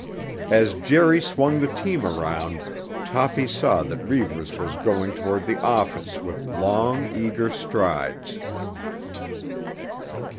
As Jerry swung the team around Toppy saw that Reivers was going toward the office with long, eager strides.